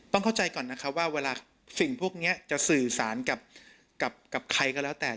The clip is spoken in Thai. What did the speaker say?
เข้าใจก่อนนะครับว่าเวลาสิ่งพวกนี้จะสื่อสารกับใครก็แล้วแต่